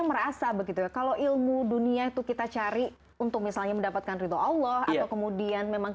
merasa begitu kalau ilmu dunia itu kita cari untuk misalnya mendapatkan riduallah kemudian memang